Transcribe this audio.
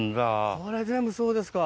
これ全部そうですか。